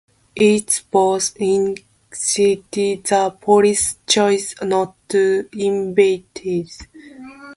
In both incidents the police chose not to intervene.